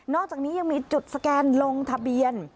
อกจากนี้ยังมีจุดสแกนลงทะเบียน